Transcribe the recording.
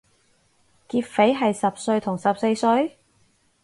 劫匪係十歲同十四歲？